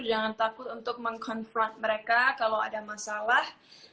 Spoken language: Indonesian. jangan takut untuk meng confront mereka kalau ada masalah